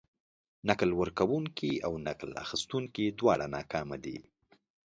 نکل ورکونکي او نکل اخيستونکي دواړه ناکامه دي.